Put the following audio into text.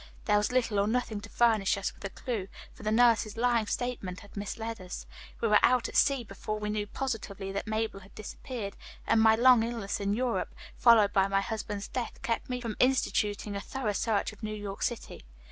There was little or nothing to furnish us with a clue, for the nurse's lying statement had misled us; we were out at sea before we knew positively that Mabel had disappeared, and my long illness in Europe, followed by my husband's death kept me from instituting a thorough search of New York City.